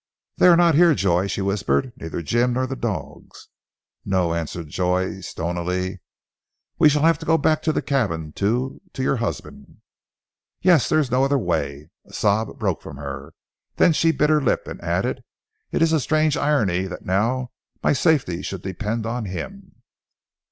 "They are not here, Joy," she whispered. "Neither Jim nor the dogs." "No," answered Joy stonily. "We shall have to go back to the cabin to to your husband." "Yes, there is no other way!" A sob broke from her, then she bit her lip, and added, "It is a strange irony that now my safety should depend on him."